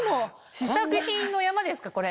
試作品の山ですかこれ。